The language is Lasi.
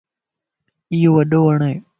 ايو وڏو وڻ ائي.